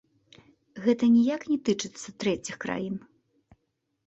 Гэта ніяк не тычыцца трэціх краін.